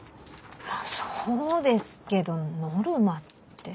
まぁそうですけどノルマって。